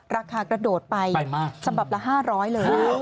ราคากระโดดไปฉบับละ๕๐๐เลย